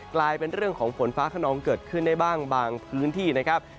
กลายเป็นเรื่องของฝนฟ้าขนองเกิดขึ้นได้บ้างบางพื้นที่นะครับ